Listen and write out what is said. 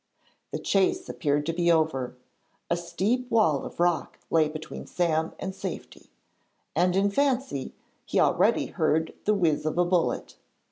The chase appeared to be over; a steep wall of rock lay between Sam and safety, and in fancy he already heard the whiz of a bullet.